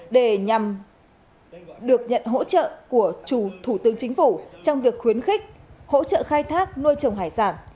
để nhằm được nhận hỗ trợ của chủ thủ tướng chính phủ trong việc khuyến khích hỗ trợ khai thác nuôi trồng hải sản